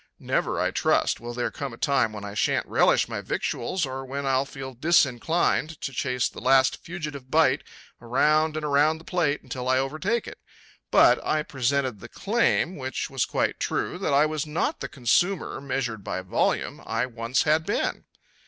Never, I trust, will there come a time when I shan't relish my victuals or when I'll feel disinclined to chase the last fugitive bite around and around the plate until I overtake it. But I presented the claim, which was quite true, that I was not the consumer, measured by volume, I once had been.